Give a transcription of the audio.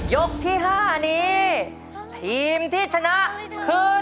ยกที่๕นี้ทีมที่ชนะคือทีมแอฟ